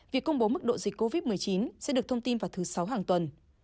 việc công bố mức độ dịch covid một mươi chín sẽ được thông tin vào thứ sáu hàng tuần